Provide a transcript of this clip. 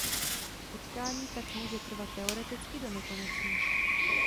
Utkání tak může trvat teoreticky do nekonečna.